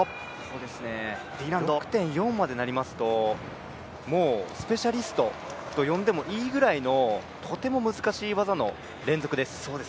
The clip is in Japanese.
６．４までなりますともうスペシャリストと呼んでもいいぐらいのとても難しい技の連続です。